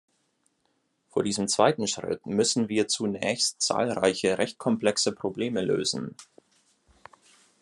Vor diesem zweiten Schritt müssen wir zunächst zahlreiche recht komplexe Probleme lösen.